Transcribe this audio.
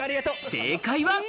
正解は。